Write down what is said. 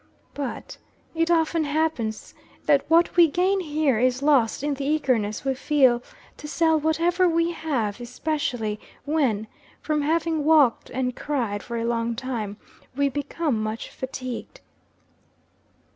But, it often happens that what we gain here is lost in the eagerness we feel to sell whatever we have, especially when, from having walked and cried for a long time, we become much fatigued.